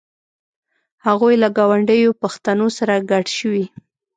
هغوی یا له ګاونډیو پښتنو سره ګډ شوي.